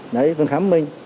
đấy phần khám của mình